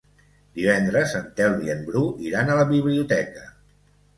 Divendres en Telm i en Bru iran a la biblioteca.